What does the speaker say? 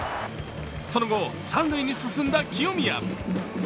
その後三塁に進んだ清宮。